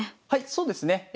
はいそうですね。